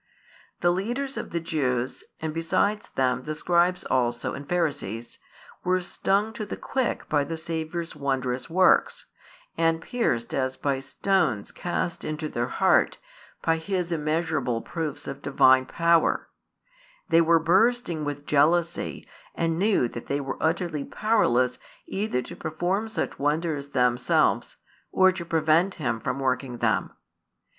The leaders of the Jews, and besides them the scribes also and Pharisees, were stung to the quick by the Saviour's wondrous works, and pierced as by stones cast into their heart by His immeasurable proofs of Divine power; they were bursting with jealousy and knew that they were utterly powerless either to perform such wonders themselves or to prevent Him from working them.